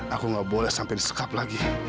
aku nggak boleh sampai disekap lagi